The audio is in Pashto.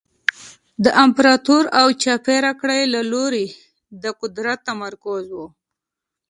د امپراتور او چاپېره کړۍ له لوري د قدرت تمرکز و